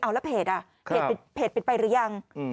เอาแล้วเพจอ่ะเพจปิดไปหรือยัง